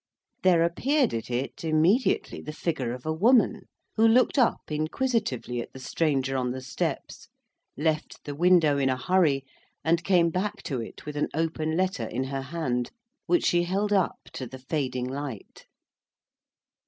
There appeared at it immediately the figure of a woman, who looked up inquisitively at the stranger on the steps, left the window in a hurry, and came back to it with an open letter in her hand, which she held up to the fading light.